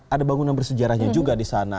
ada bangunan bersejarahnya juga di sana